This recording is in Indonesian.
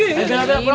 ayah belakang belakang